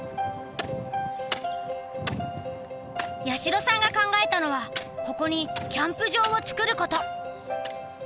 八代さんが考えたのはここにキャンプ場をつくること。